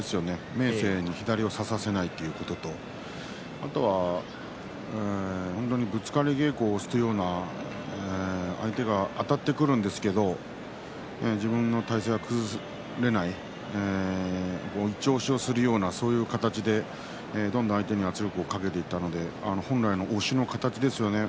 明生に左を差させないということとあとは本当にぶつかり稽古をしているような相手があたってくるんですけれど自分の体勢が崩れないそして相手に圧力をかけていったので本来の押しの形ですよね